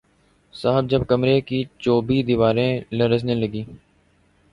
صاحب جب کمرے کی چوبی دیواریں لرزنے لگیں